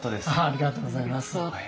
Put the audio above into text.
ありがとうございます。